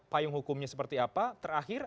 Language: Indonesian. payung hukumnya seperti apa terakhir